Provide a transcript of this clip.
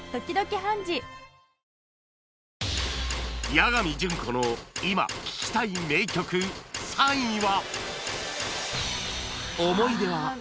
八神純子の今聴きたい名曲３位は